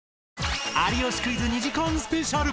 『有吉クイズ』２時間スペシャル！